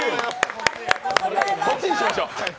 そっちにしましょう！